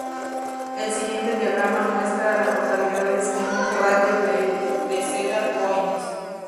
El siguiente diagrama muestra a las localidades en un radio de de Cedar Point.